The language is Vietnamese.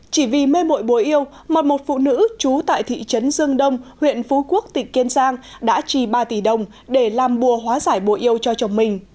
chỉ vì mê mụi mùa yêu mà một phụ nữ trú tại thị trấn dương đông huyện phú quốc tỉnh kiên giang đã trì ba tỷ đồng để làm bùa hóa giải bộ yêu cho chồng mình